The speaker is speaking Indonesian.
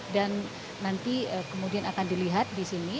dan nanti kemudian akan dilihat di sini